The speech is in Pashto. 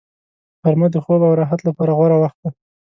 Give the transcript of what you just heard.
غرمه د خوب او راحت لپاره غوره وخت دی